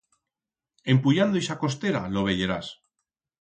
En puyando ixa costera, lo veyerás.